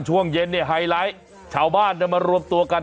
ช่วงเย็นเนี่ยไฮไลท์ชาวบ้านจะมารวมตัวกัน